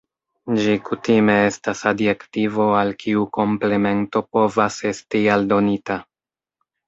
Ĝi kutime estas adjektivo al kiu komplemento povas esti aldonita.